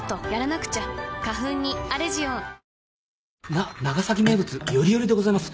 な長崎名物よりよりでございます。